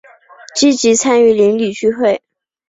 积极参与邻里聚会